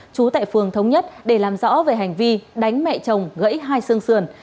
chú tại phường thống nhất để làm rõ về hành vi đánh mẹ chồng gãy hai xương xườn